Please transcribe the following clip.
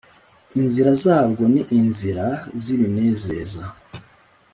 Inzira zabwo ni inzira z’ ibinezeza.